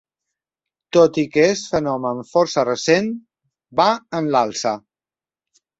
Tot i que és un fenomen força recent, va en l’alça.